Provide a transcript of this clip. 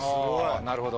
なるほど。